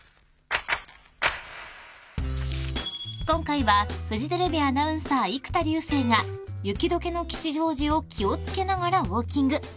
［今回はフジテレビアナウンサー生田竜聖が雪解けの吉祥寺を気を付けながらウオーキング］